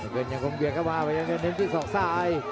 เงินยังคงเบียดเข้ามาพยายามจะเน้นที่ศอกซ้าย